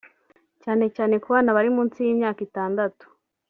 cyane cyane ku bana bari munsi y’imyaka itandatu